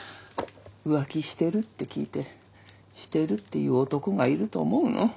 「浮気してる？」って聞いて「してる」って言う男がいると思うの？